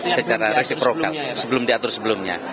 secara resiprokal sebelum diatur sebelumnya